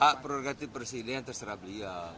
pak proregati persilihan terserah beliau